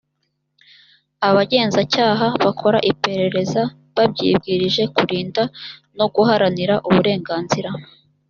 abagenzacyaha bakora iperereza babyibwirije kurinda no guharanira uburenganzira